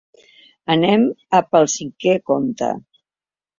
Anem a pel cinquè conte!